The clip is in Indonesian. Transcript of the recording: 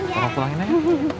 seramkan pulang inah ya